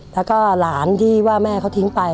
แล้วก็หลานที่ว่าแม่เขาทิ้งไป